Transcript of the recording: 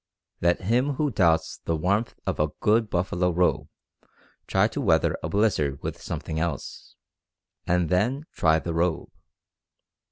Let him who doubts the warmth of a good buffalo robe try to weather a blizzard with something else, and then try the robe.